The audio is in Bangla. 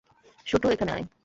শুটু, এখানে আয়।